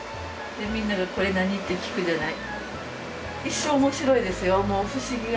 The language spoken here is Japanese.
みんなが「これ何？」って聞くじゃない。